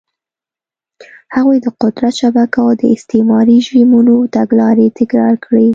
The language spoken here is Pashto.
هغوی د قدرت شبکه او د استعماري رژیمونو تګلارې تکرار کړې.